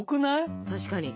確かに。